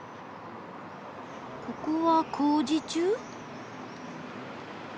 ここは工事中？